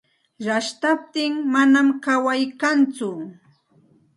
Rashtaptin manam kaway kantsu.